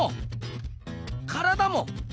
体も？